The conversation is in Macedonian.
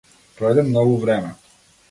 Пројде многу време.